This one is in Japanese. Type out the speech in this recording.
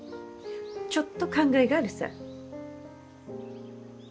ちょっと考えがあるさ。